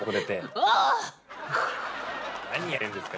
何やってんですか